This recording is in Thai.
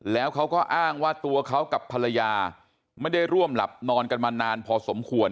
แล้วเขาก็อ้างว่าตัวเขากับภรรยาไม่ได้ร่วมหลับนอนกันมานานพอสมควร